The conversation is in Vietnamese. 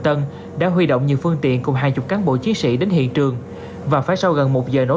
tân đã huy động những phương tiện cùng hai mươi cán bộ chiến sĩ đến hiện trường và phải sau gần một giờ nỗ